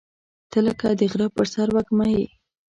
• ته لکه د غره پر سر وږمه یې.